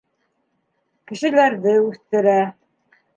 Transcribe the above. Кешеләрҙе үҫтерә.